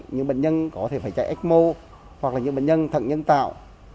những bệnh nhân có thể phải chạy ecmo hoặc là những bệnh nhân thận nhân tạo